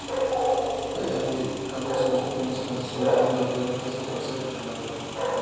Allá voy"; cambia su secuencia a sol, la y vuelve cerrarse en re mayor.